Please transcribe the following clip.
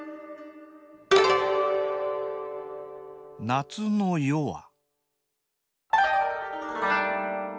「夏の夜は」